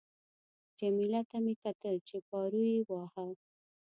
جميله ته مې کتل چې پارو یې واهه.